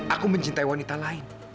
aku mencintai wanita lain